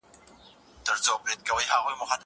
زه به سبا د کتابتون کار وکړم!؟